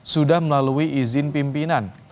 sudah melalui izin pimpinan